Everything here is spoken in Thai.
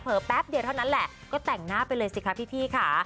แป๊บเดียวเท่านั้นแหละก็แต่งหน้าไปเลยสิคะพี่ค่ะ